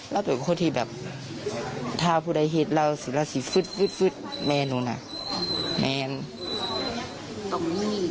แล้วโดยคนที่แบบท่าผู้ได้เห็นเราสิแล้วสิฟึ๊ดแม่นหนูน่ะแม่น